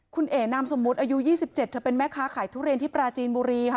คุณเอ๋นามสมมุติอายุ๒๗เธอเป็นแม่ค้าขายทุเรียนที่ปราจีนบุรีค่ะ